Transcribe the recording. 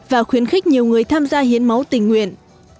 và khuyến khích nhiều người tham gia hiến máu tình nguyện